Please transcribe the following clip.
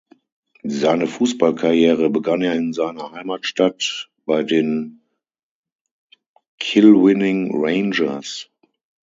Seine Fußballkarriere begann er in seiner Heimatstadt bei den Kilwinning Rangers.